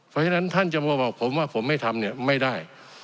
เพราะฉะนั้นท่านจะมาบอกผมว่าผมไม่ทำเนี่ยไม่ได้